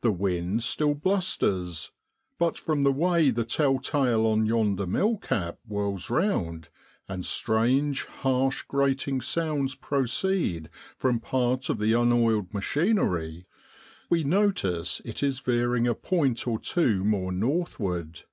The wind still blusters, but from the way the tell tale on yonder mill cap whirls round, and strange, harsh, grating sounds proceed from part of the unoiled machinery, we notice it is veering a point or two more northward.